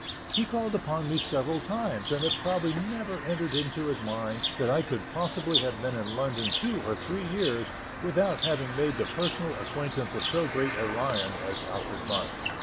He called upon me several times, and it probably never entered into his mind that I could possibly have been in London two or three years without having made the personal acquaintance of so great a lion as Alfred Bunn.